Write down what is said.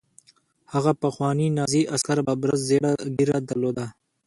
هغه پخواني نازي عسکر ببره زیړه ږیره درلوده